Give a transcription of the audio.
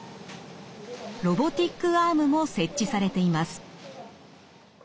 ロボティックアームも設置されています。